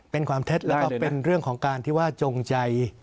เป็นความเท็จแล้วก็เป็นเรื่องของการที่ว่าจงใจ